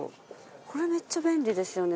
これめっちゃ便利ですよね。